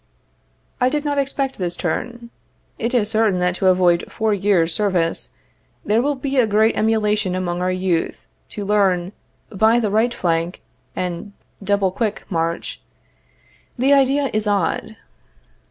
I did not expect this turn. It is certain that to avoid four years' service, there will be a great emulation among our youth, to learn by the right flank and double quick, march. The idea is odd.